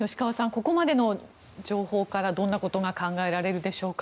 ここまでの情報からどんなことが考えられるでしょうか？